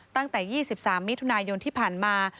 ตั้งแต่๒๓มิถุนายนที่ผ่านมา